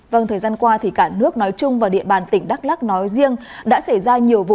vâng thời gian qua thì cả nước nói chung và địa bàn tỉnh đắk lắc nói riêng đã xảy ra nhiều vụ